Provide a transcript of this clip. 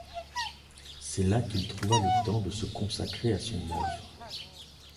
C'est là qu'il trouva le temps de se consacrer à son œuvre.